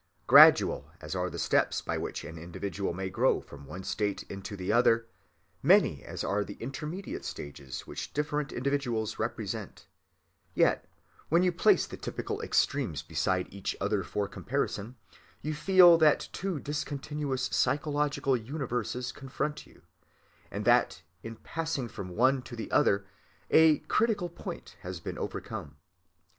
Gradual as are the steps by which an individual may grow from one state into the other, many as are the intermediate stages which different individuals represent, yet when you place the typical extremes beside each other for comparison, you feel that two discontinuous psychological universes confront you, and that in passing from one to the other a "critical point" has been overcome.